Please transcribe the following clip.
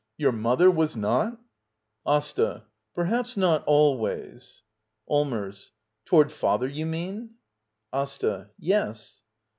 Your mother was not! AsTA. Perhaps not always. Allmers. Toward father, do you mean? AsTA. Yes.